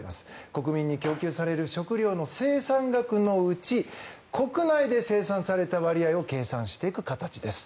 国民に供給される食料の生産額のうち国内で生産された割合を計算していく形です。